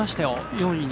４位に。